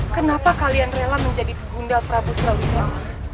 kenapa kalian rela menjadi gundal prabu surawisasa